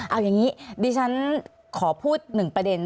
เอาอย่างนี้ดิฉันขอพูดหนึ่งประเด็น